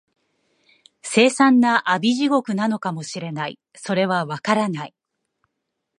凄惨な阿鼻地獄なのかも知れない、それは、わからない